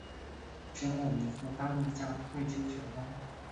之后尼克当面向瑞秋求婚。